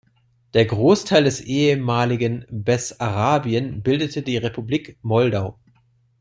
Der Großteil des ehemaligen Bessarabien bildete die Republik Moldau.